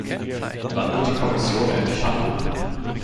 Wann wird die Kommission endlich handeln?